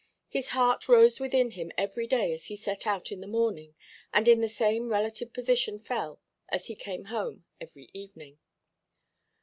His heart rose within him every day as he set out in the morning, and in the same relative position fell, as he came home every evening.